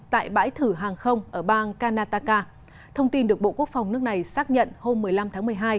tại bãi thử hàng không ở bang canataka thông tin được bộ quốc phòng nước này xác nhận hôm một mươi năm tháng một mươi hai